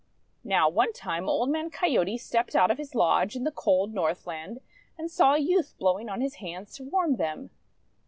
Now one time Old Man Coyote stepped out of his lodge in the cold Northland, and saw a youth blowing on his hands to warm them.